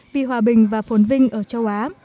vì hòa bình và phồn vinh ở châu á